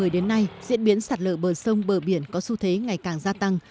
từ năm hai nghìn một mươi đến nay diễn biến sạt lở bờ sông bờ biển có xu thế ngày càng gia tăng